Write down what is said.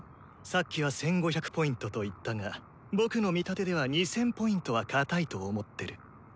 さっきは１５００Ｐと言ったが僕の見立てでは２０００Ｐはかたいと思ってる。